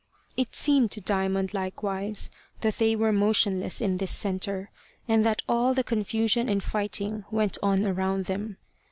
It seemed to Diamond likewise that they were motionless in this centre, and that all the confusion and fighting went on around them.